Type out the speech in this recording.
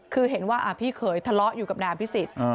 คือเห็นว่าพี่เขยทะเลาะอยู่กับนายอภิษฎ